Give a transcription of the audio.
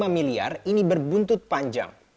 lima miliar ini berbuntut panjang